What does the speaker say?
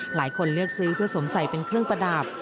หลายคนเลือกซื้อเพื่อสวมใส่เป็นเครื่องประดับ